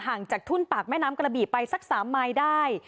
จากทุ่นปากแม่น้ำกระบี่ไปสัก๓มายได้